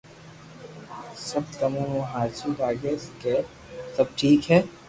سب تمو نو راجي لاگي ڪي سب ٺيڪ ھي